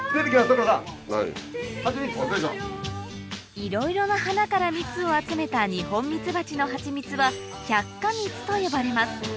いろいろな花から蜜を集めたニホンミツバチのハチミツは百花蜜と呼ばれます